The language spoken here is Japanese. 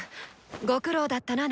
ご苦労だったなナフラ。